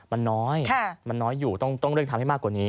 มันน้อยมันน้อยอยู่ต้องเลือกทำให้มากกว่านี้